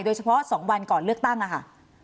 โดยเฉพาะ๒วันก่อนเลือกตั้งนะคะ